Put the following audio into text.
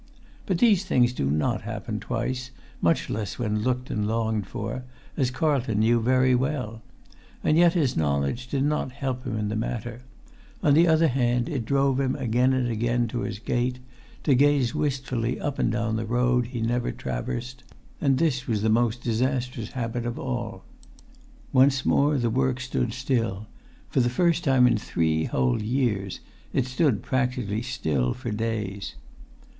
But these things do not happen twice, much less when looked and longed for, as Carlton knew very well. And yet his knowledge did not help him in the matter; on the other hand, it drove him again and again to his gate, to gaze wistfully up and down the road he never traversed; and this was the most disastrous habit of all. [Pg 276]Once more the work stood still; for the first time in three whole years, it stood practically still for days.